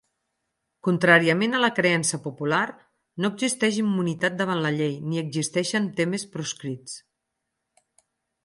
Contràriament a la creença popular no existeix immunitat davant la llei ni existeixen temes proscrits.